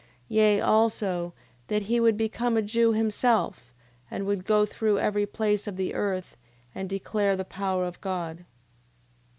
9:17. Yea also, that he would become a Jew himself, and would go through every place of the earth, and declare the power of God.